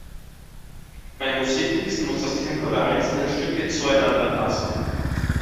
Beim Musikmixen muss das Tempo der einzelnen Stücke zueinander passen.